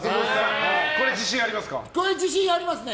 自信ありますか？